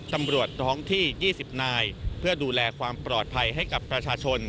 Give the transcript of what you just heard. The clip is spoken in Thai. ตำรวจท้องที่๒๐นายเพื่อดูแลความปลอดภัยให้กับประชาชน